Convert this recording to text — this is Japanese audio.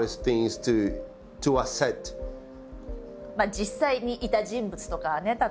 実際にいた人物とかね例えば。